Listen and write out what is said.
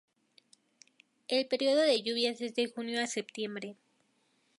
El período de lluvias es de junio a septiembre.